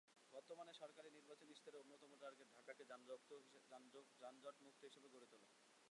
বর্তমান সরকারের নির্বাচনী ইশতেহারে অন্যতম টার্গেট ঢাকাকে যানজটমুক্ত হিসেবে গড়ে তোলা।